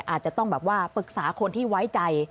อาจจะต้องแบบว่าปรึกษาคนที่ไว้ใจ